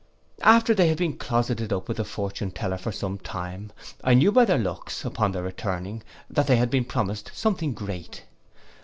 After they had been closetted up with the fortune teller for some time, I knew by their looks, upon their returning, that they had been promised something great.